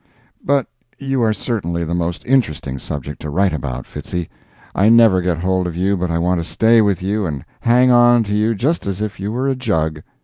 But you are certainly the most interesting subject to write about, Fitzy—I never get hold of you but I want to stay with you and hang on to you just as if you were a jug.